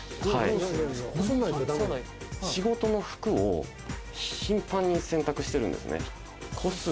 仕事の服を頻繁に洗濯してるんですね。